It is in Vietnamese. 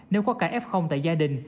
nếu có cả f tại gia đình